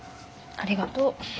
ありがとう。